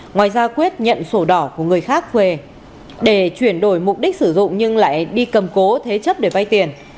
ngoài ra quyết nhận sổ đỏ của người khác về để chuyển đổi mục đích sử dụng nhưng lại đi cầm cố thế chấp để vay tiền